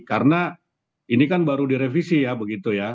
karena ini kan baru direvisi ya begitu ya